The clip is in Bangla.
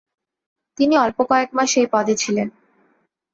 তিনি অল্প কয়েক মাস এই পদে ছিলেন।